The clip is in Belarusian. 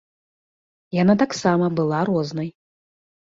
Яна таксама была рознай.